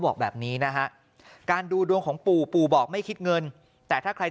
บอกแบบนี้นะฮะการดูดวงของปู่ปู่บอกไม่คิดเงินแต่ถ้าใคร